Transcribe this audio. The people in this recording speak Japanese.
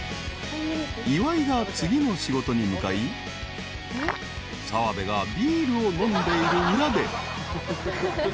［岩井が次の仕事に向かい澤部がビールを飲んでいる裏で］